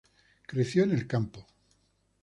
Creció en el campo.